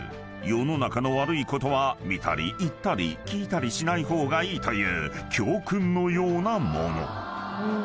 ［世の中の悪いことは見たり言ったり聞いたりしない方がいいという教訓のようなもの］